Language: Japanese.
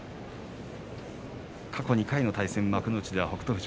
過去２回の対戦幕内では北勝